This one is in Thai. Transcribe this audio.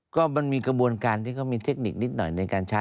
ก็มันมีกระบวนการที่เขามีเทคนิคนิดหน่อยในการใช้